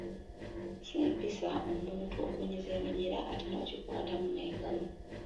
Si mpisa omuntu okunyiza eminyira ate n’ogikwatamu n’engalo.